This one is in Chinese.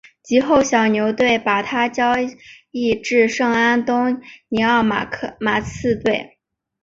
及后小牛队把他交易至圣安东尼奥马刺队。